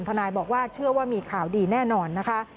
นายบอกว่าเชื่อว่ามีข่าวดีแน่นอนนะคะ